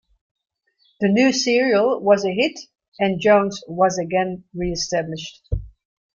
The new serial was a hit, and Jones was again re-established.